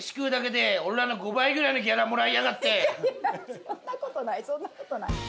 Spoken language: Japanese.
そんなことないそんなことない。